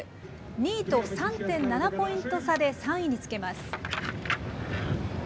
２位と３．７ポイント差で３位につけます。